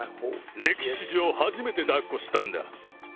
歴史上初めてだっこしたんだ。